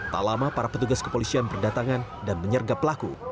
tak lama para petugas kepolisian berdatangan dan menyergap pelaku